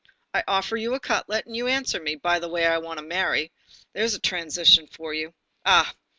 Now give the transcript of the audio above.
I offer you a cutlet and you answer me: 'By the way, I want to marry.' There's a transition for you! Ah!